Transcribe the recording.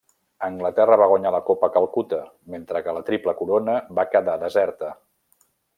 Anglaterra va guanyar la Copa Calcuta, mentre que la Triple Corona va quedar deserta.